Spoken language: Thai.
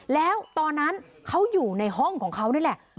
แล้วตอนนั้นเขาอยู่ในห้องของเขานี่แหละ